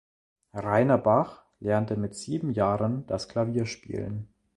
Rainer Bach lernte mit sieben Jahren das Klavierspielen.